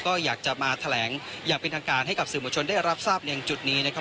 ก็อยากจะมาแถลงอย่างเป็นทางการให้กับสื่อมวลชนได้รับทราบในจุดนี้นะครับ